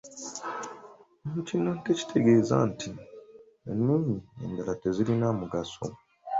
Kino tekitegeeza nti ennimi endala tezirina mugaso.